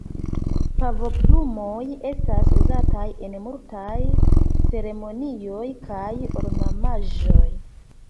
Pavoplumoj estas uzataj en multaj ceremonioj kaj ornamaĵoj.